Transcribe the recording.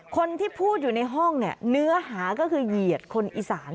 คนที่พูดอยู่ในห้องเนี่ยเนื้อหาก็คือเหยียดคนอีสาน